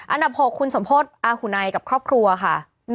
อันดับ๖คุณสมโพธิอาหุนัยกับครอบครัวค่ะ